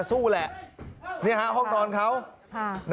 สวัสดีครับทุกคน